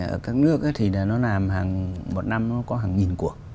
ở các nước thì nó làm hàng một năm nó có hàng nghìn cuộc